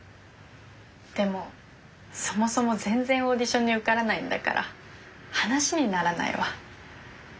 でもそもそも全然オーディションに受からないんだから話にならないわ。